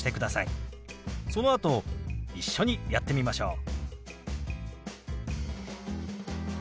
そのあと一緒にやってみましょう。